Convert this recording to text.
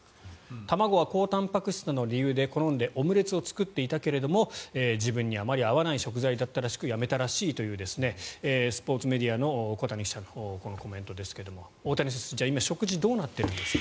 卵は高たんぱく質などの理由で好んでオムレツを作っていたけども自分にあまり合わない食材だったらしくやめたらしいというスポーツメディアの小谷記者のコメントですが大谷選手は食事は今、どうなっているんですか